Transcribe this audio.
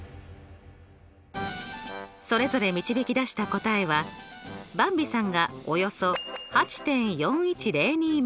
それぞれ導き出した答えはばんびさんがおよそ８．４１０２ｍ